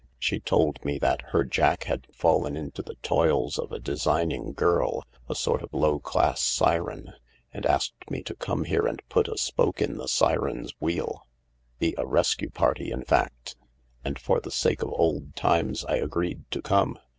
" She told me that her Jack had fallen into the toils of a designing girl, a sort of low class siren, and asked me to come here and put a spoke in the siren's wheel — be a rescue party, in fact. And for the sake of old times I agreed to come.